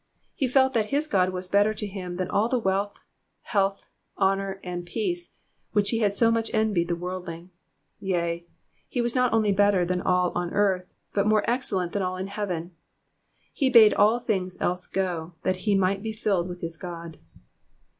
He felt that his God was better to him than all the wealth, health, honour, and peace, which he had so much envied in the worldling ; yea. He was not only oetter than all on earth, but more excellent than all in heaven. He bade all things else go, that he might be filled with his God.